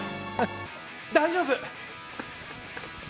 大丈夫！